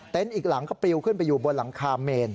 อีกหลังก็ปลิวขึ้นไปอยู่บนหลังคาเมน